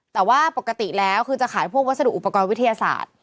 แต่ว่าปกติแล้วคือจะขายพวกวัสดุอุปกรณ์วิทยาศาสตร์